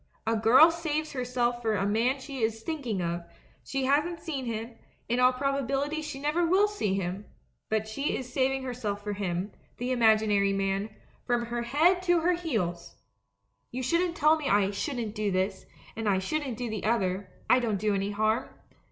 A girl saves herself for a man she is thinking of; she hasn't seen him — in all probability she never will see him; but she is saving herself for him — the imaginary man — from her head to her heels! ... You tell me I "shouldn't do this," and I "shouldn't do the other" — I don't do any harm.